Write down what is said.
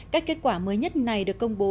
cách kết quả mới nhất này được công bố